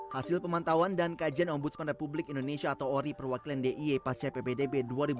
hasil pemantauan dan kajian ombudsman republik indonesia atau ori perwakilan dia pasca ppdb